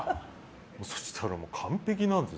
そしたら、完璧なんです。